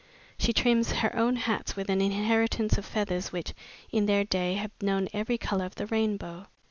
She trims her own hats with an inheritance of feathers which, in their day have known every color of the rainbow.